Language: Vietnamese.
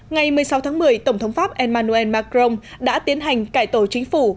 ngày một mươi sáu tháng một mươi tổng thống pháp emmanuel macron đã tiến hành cải tổ chính phủ